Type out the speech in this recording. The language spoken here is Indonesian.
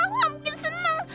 aku gak mungkin seneng